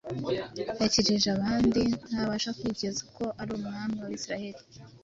Yakijije abandi, ntabasha kwikiza. Ko ari Umwami w’Abisirayeli,